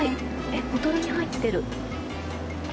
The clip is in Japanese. ボトルに入ってる。